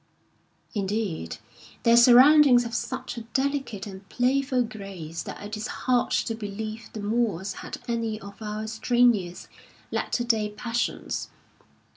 Indeed, their surroundings have such a delicate and playful grace that it is hard to believe the Moors had any of our strenuous, latter day passions.